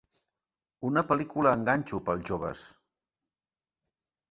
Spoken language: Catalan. Una pel·lícula amb ganxo per als joves.